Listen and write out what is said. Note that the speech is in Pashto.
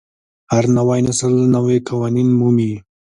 هر نوی نسل نوي قوانین مومي.